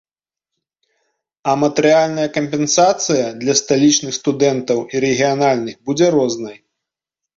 А матэрыяльная кампенсацыя для сталічных студэнтаў і рэгіянальных будзе рознай.